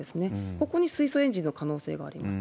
ここに水素エンジンの可能性があります。